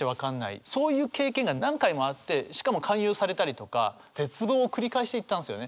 そういう経験が何回もあってしかも勧誘されたりとか絶望を繰り返していったんですよね。